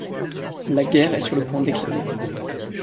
La guerre est sur le point d’éclater.